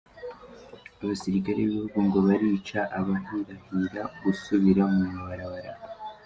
Abasirikare b'igihugu ngo barica abahirahira gusubira mu mabarabara.